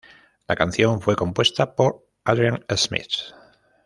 La canción fue compuesta por Adrian Smith.